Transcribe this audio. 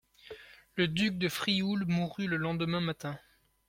Le duc de Frioul mourut le lendemain matin.